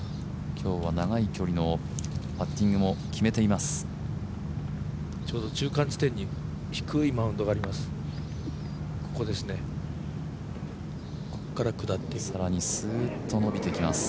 今日は長い距離のパッティングも決めています。